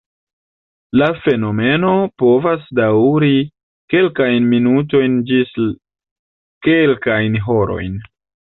La fenomeno povas daŭri kelkajn minutojn ĝis kelkajn horojn.